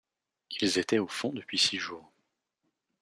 Ils étaient au fond depuis six jours.